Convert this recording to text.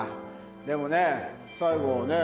でもね最後ね